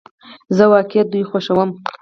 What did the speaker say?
زه واقعی دوی خوښوم